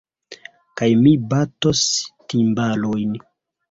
Kaj mi batos timbalojn.